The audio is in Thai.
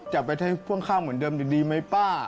จะไปใช้พ่วงข้างเหมือนเดิมดีไหมป้า